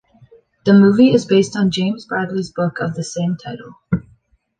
The movie is based on James Bradley's book of the same title.